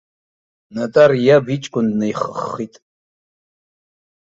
Нодар иаб иҷкәын днаихыххит.